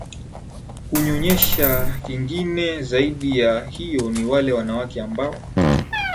kunyonyesha kingine zaidi ya hiyo ni wale wanawake ambao